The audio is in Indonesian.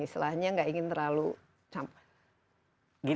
istilahnya gak ingin terlalu campur